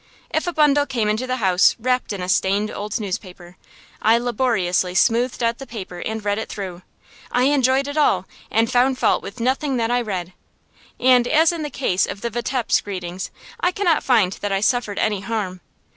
If a bundle came into the house wrapped in a stained old newspaper, I laboriously smoothed out the paper and read it through. I enjoyed it all, and found fault with nothing that I read. And, as in the case of the Vitebsk readings, I cannot find that I suffered any harm.